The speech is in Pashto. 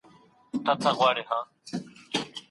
مثبتي خاطرې د انسان د ژوند سرمایه ده.